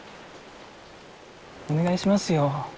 お願いしますよ。